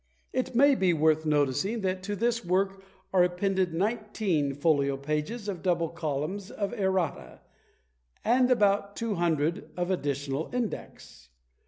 It may be worth noticing that to this work are appended 19 folio pages of double columns of errata, and about 200 of additional index!